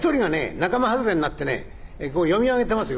仲間外れになってねこう読み上げてますよ。